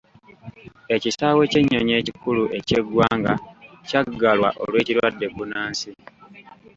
Ekisaawe ky'ennyonnyi ekikulu eky'eggwanga kyaggalwa olw'ekirwadde bbunansi.